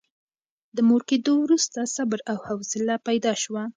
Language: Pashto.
د مور کېدو وروسته صبر او حوصله پیدا شوه.